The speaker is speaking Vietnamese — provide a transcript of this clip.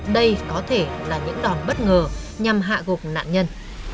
đây có thể là những đòn bất ngờ nhằm hạ gục nạn nhân